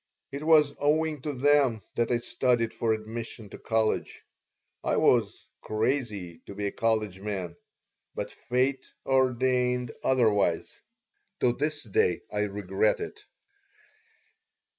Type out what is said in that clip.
It was owing to them that I studied for admission to college. I was crazy to be a college man, but fate ordained otherwise. To this day I regret it."